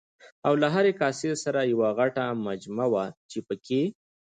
او له هرې کاسې سره یوه غټه مجمه وه چې پکې